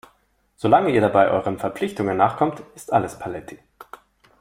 Solange ihr dabei euren Verpflichtungen nachkommt, ist alles paletti.